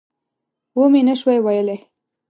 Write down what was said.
ومې نه شوای ویلای.